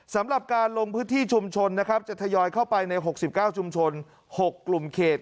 สำหรับการลงพื้นที่ชุมชนนะครับจะทยอยเข้าไปใน๖๙ชุมชน๖กลุ่มเขต